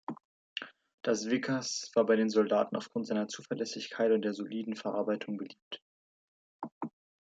Das Vickers war bei den Soldaten aufgrund seiner Zuverlässigkeit und der soliden Verarbeitung beliebt.